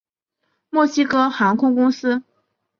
墨西哥航空公司。